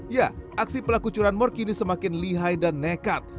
ya aksi pelaku curanmur kini semakin lihai dan nekat